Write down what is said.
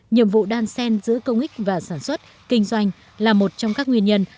nhiệm vụ đan sen giữa công ích và sản xuất kinh doanh là một trong các nguyên nhân